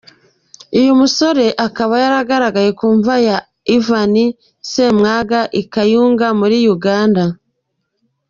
Uyu musore akaba yagaragaye ku mva ya Ivan Ssemwanga i Kayunga muri Uganda.